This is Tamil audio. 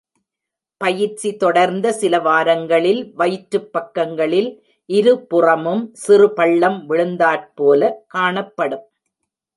பயிற்சி தொடர்ந்த, சில வாரங்களில் வயிற்றுப் பக்கங்களில் இருபுறமும் சிறு பள்ளம் விழுந்தாற்போல காணப்படும்.